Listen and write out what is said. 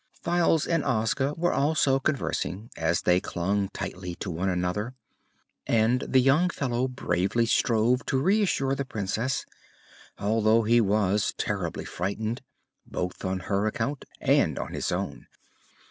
Files and Ozga were also conversing as they clung tightly to one another, and the young fellow bravely strove to reassure the Princess, although he was terribly frightened, both on her account and on his own.